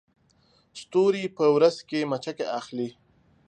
ستوري په ورځ کې مچکې اخلي